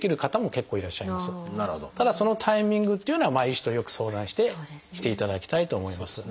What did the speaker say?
ただそのタイミングっていうのは医師とよく相談していただきたいと思います。